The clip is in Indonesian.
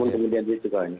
kemudian dia juga